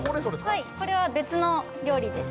はいこれは別の料理です。